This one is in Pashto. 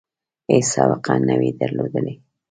هیڅ سابقه نه وي درلودلې.